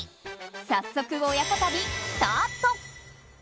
早速、親子旅スタート。